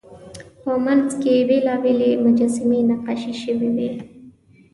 په منځ کې یې بېلابېلې مجسمې نقاشي شوې وې.